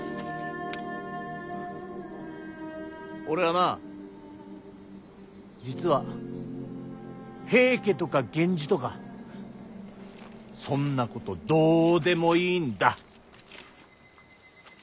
俺はな実は平家とか源氏とかそんなことどうでもいいんだ。